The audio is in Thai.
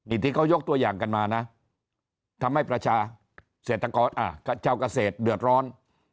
ที่เขายกตัวอย่างกันมานะทำให้ประชาเศรษฐกรชาวเกษตรเดือดร้อน